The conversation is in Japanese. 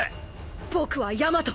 僕はヤマト。